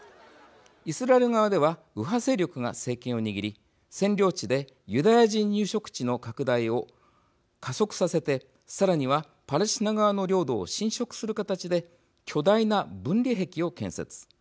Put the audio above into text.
イスラエル側では右派勢力が政権を握り占領地でユダヤ人入植地の拡大を加速させてさらには、パレスチナ側の領土を侵食する形で巨大な分離壁を建設。